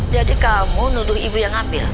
jadi kamu menuduh ibu yang ngambil